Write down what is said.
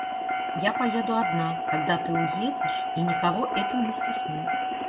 Я поеду одна, когда ты уедешь, и никого этим не стесню.